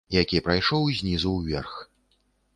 Які прайшоў знізу ўверх.